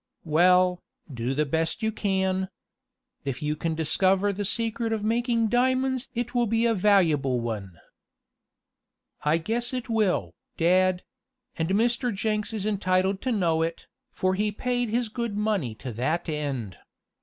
"Well, do the best you can. If you can discover the secret of making diamonds it will be a valuable one." "I guess it will, dad; and Mr. Jenks is entitled to know it, for he paid his good money to that end.